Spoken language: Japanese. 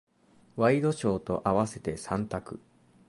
ワイドショーと合わせて三択。